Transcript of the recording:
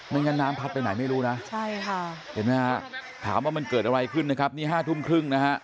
ไม่งั้นน้ำพัดไปไหนไม่รู้นะถามว่ามันเกิดอะไรขึ้นนะครับนี่ห้าทุ่มครึ่งนะครับ